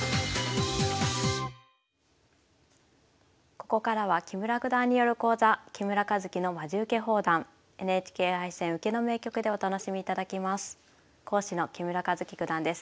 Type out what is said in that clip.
ここからは木村九段による講座「木村一基のまじウケ放談ＮＨＫ杯戦・受けの名局」でお楽しみいただきます。